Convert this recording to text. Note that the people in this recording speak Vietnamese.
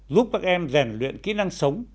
giúp các em rèn luyện kỹ năng sống